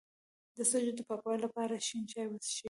د سږو د پاکوالي لپاره شین چای وڅښئ